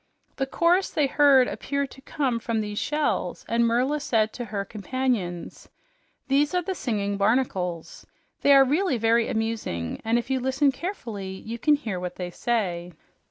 The chorus they heard appeared to come from these shells, and Merla said to her companions, "These are the singing barnacles. They are really very amusing, and if you listen carefully, you can hear what they say."